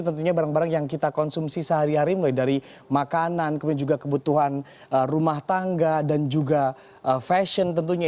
tentunya barang barang yang kita konsumsi sehari hari mulai dari makanan kemudian juga kebutuhan rumah tangga dan juga fashion tentunya